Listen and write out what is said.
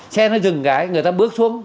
xe nó dừng cái người ta bước xuống